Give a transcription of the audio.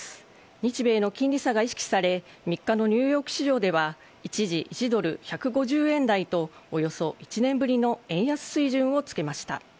日米の金利差が意識され３日のニューヨーク市場では一時、１ドル１５０円台とおよそ１年ぶりの円安水準をつけました。